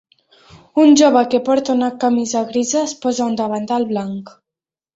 Un jove que porta una camisa grisa es posa un davantal blanc.